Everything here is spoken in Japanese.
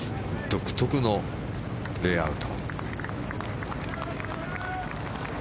独特のレイアウト。